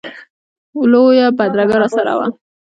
لویه بدرګه راسره وه.